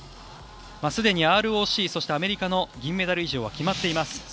すでにＲＯＣ、アメリカの銀メダル以上は決まっています。